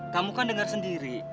kamu kan dengar sendiri